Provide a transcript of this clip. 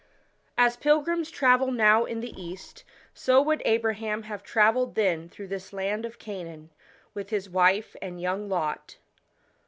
As pilgrims travel now in the East, so would Abraham have travelled then through this land of Canaan, with his wife and young Lot.